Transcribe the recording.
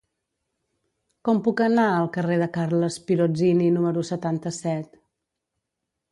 Com puc anar al carrer de Carles Pirozzini número setanta-set?